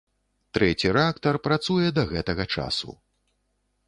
Трэці рэактар працуе да гэтага часу.